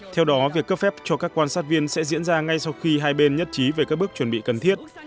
theo đó việc cấp phép cho các quan sát viên sẽ diễn ra ngay sau khi hai bên nhất trí về các bước chuẩn bị cần thiết